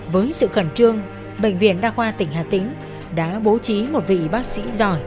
với sự khẩn trương bệnh viện đa khoa tỉnh hà tĩnh đã bố trí một vị bác sĩ giỏi